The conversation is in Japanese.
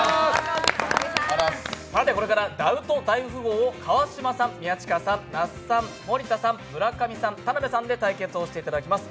これから「ダウト大富豪」を川島さん、宮近さん那須さん、森田さん、村上さん、田辺さんで対決していただきます。